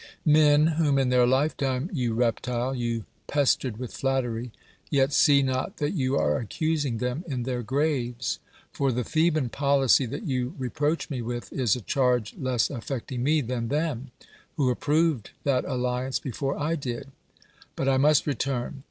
]\Ien whom in their lifetime — you reptile! — you pestered with flattery, yet see not that you are ac(;using them in their graves : for the Thcban policy that you reproach me with is a charge less affecting me than them, who ap proved that alliance before I did. But I must return.